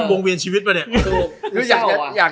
นี่ปรงเวียนชีวิตปะเนี่ย